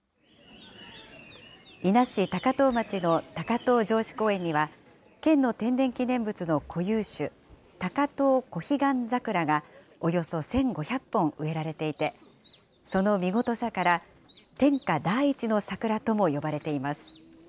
伊那市高遠町の高遠城址公園には、県の天然記念物の固有種、タカトオコヒガンザクラが、およそ１５００本植えられていて、その見事さから、天下第一の桜とも呼ばれています。